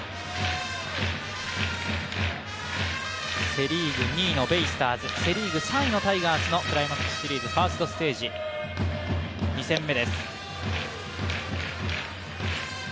セ・リーグ２位のベイスターズ、セ・リーグ３位のタイガースのクライマックスシリーズファーストステージ２戦目です。